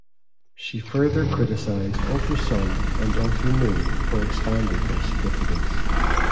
She further criticized "Ultra Sun" and "Ultra Moon" for expanding her significance.